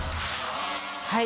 はい。